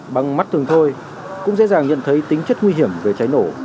bằng mắt thường thôi cũng dễ dàng nhận thấy tính chất nguy hiểm về cháy nổ